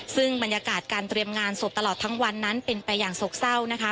ซึ่งบรรยากาศการเตรียมงานศพตลอดทั้งวันนั้นเป็นไปอย่างโศกเศร้านะคะ